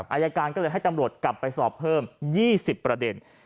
อายการก็เลยให้ตำรวจกลับไปสอบเพิ่ม๒๐ประเด็น